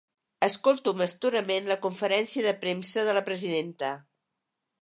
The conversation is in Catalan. Escolto amb astorament la conferència de premsa de la presidenta.